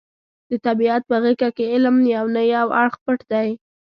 د طبیعت په غېږه کې علم یو نه یو اړخ پټ دی.